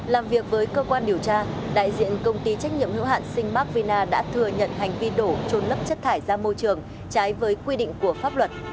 làm việc với cơ quan điều tra đại diện công ty trách nhiệm hữu hạn sinh mac vina đã thừa nhận hành vi đổ trôn lấp chất thải ra môi trường trái với quy định của pháp luật